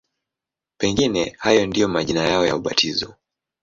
Pengine hayo ndiyo majina yao ya ubatizo.